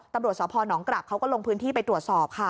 ตำรวจสพนกรับเขาก็ลงพื้นที่ไปตรวจสอบค่ะ